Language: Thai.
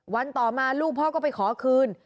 ต่อมาลูกพ่อก็ไปขอคืน